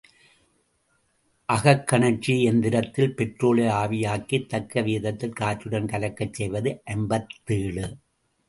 அகக்கனற்சி எந்திரத்தில் பெட்ரோலை ஆவியாக்கித் தக்க வீதத்தில் காற்றுடன் கலக்கச் செய்வது ஐம்பத்தேழு.